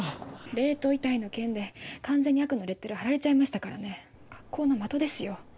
冷凍遺体の件で完全に悪のレッテル貼られちゃいましたからね格好の的ですよ。